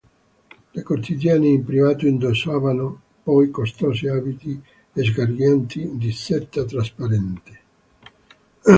Le cortigiane in privato indossavano poi costosi abiti sgargianti di seta trasparente.